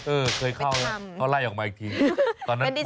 เออเคยเข้าเขาไล่ออกมาอีกที